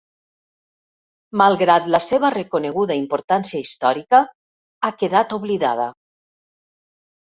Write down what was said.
Malgrat la seva reconeguda importància històrica, ha quedat oblidada.